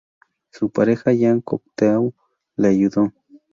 Su pareja Jean Cocteau le ayudó.